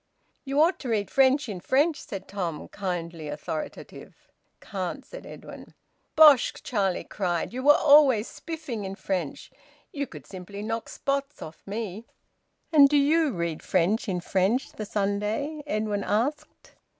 "You ought to read French in French," said Tom, kindly authoritative. "Can't," said Edwin. "Bosh!" Charlie cried. "You were always spiffing in French. You could simply knock spots off me." "And do you read French in French, the Sunday?" Edwin asked.